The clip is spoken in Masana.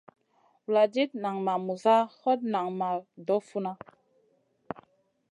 Vuladid nan ma muza, hot nan ma doh funa.